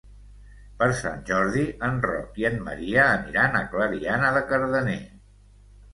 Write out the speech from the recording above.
Per Sant Jordi en Roc i en Maria aniran a Clariana de Cardener.